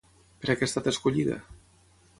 Per a què ha estat escollida?